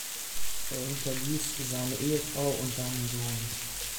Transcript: Er hinterließ seine Ehefrau und seinen Sohn.